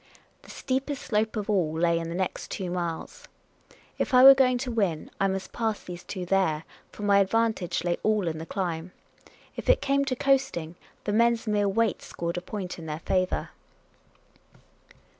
The steepest slope of all lay in the next two miles. If I were going to win I must pass these two there, for my ad vantage lay all in the climb ; if it came to coasting, the men's mere weight scored a point in their favour.